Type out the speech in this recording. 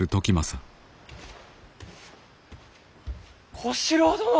小四郎殿！